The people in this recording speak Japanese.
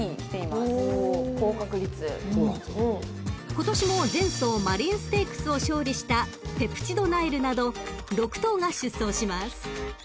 ［今年も前走マリーンステークスを勝利したペプチドナイルなど６頭が出走します］